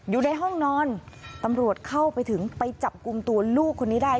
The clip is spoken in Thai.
อยู่ในห้องนอนตำรวจเข้าไปถึงไปจับกลุ่มตัวลูกคนนี้ได้